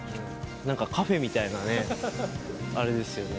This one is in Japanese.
何かカフェみたいなねあれですよね。